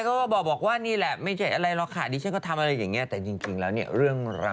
จะก็แบบว่านี่แหละไม่เจ๋งอะไรหรอกค่ะนี้เช่นก็ทำอะไรอย่างเงี้ยแต่จริงแล้วเนี่ยเรื่องราว